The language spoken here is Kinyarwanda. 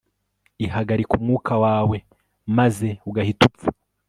ihagarika umwuka wawe, maze ugahita upfa